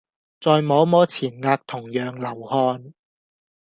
再摸摸前額同樣流汗